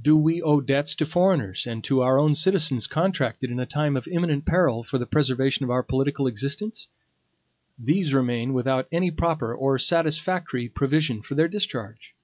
Do we owe debts to foreigners and to our own citizens contracted in a time of imminent peril for the preservation of our political existence? These remain without any proper or satisfactory provision for their discharge.